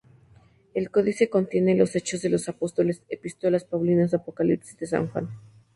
El codice contiene los Hechos de los Apóstoles, Epístolas paulinas, Apocalipsis de San Juan.